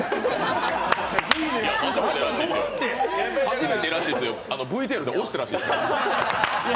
初めてらしいですよ、ＶＴＲで押したって。